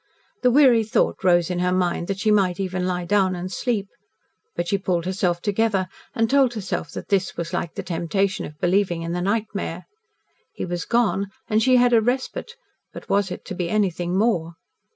The weary thought rose in her mind that she might even lie down and sleep. But she pulled herself together and told herself that this was like the temptation of believing in the nightmare. He was gone, and she had a respite but was it to be anything more?